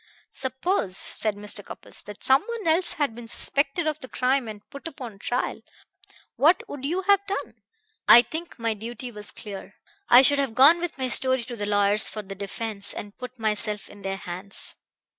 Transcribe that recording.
"Suppose," said Mr. Cupples, "that someone else had been suspected of the crime and put upon trial. What would you have done?" "I think my duty was clear. I should have gone with my story to the lawyers for the defense, and put myself in their hands."